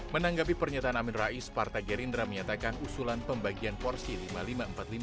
menanggapi pernyataan amin rais partai gerindra menyatakan usulan pembagian porsi